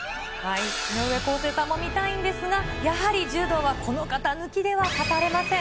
井上康生さんも見たいんですが、やはり柔道はこの片抜きでは語れません。